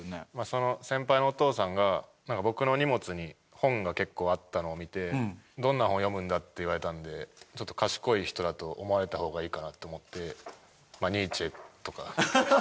その先輩のお父さんが僕の荷物に本が結構あったのを見て「どんな本読むんだ？」って言われたんでちょっと賢い人だと思われた方がいいかなって思って「まあニーチェとか」。